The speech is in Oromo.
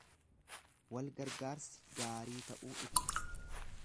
Wal gargaarsi gaarii ta'uu ibsa.